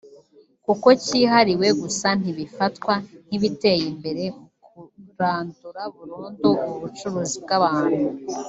kuko cyihariwe gusa n’ibifatwa nk’ibiteye imbere mu kurandura burundu ubu bucuruzi bw’abantu